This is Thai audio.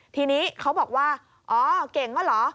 ทีนี้เขาบอกว่าอ๋อเก่งก็เหรอ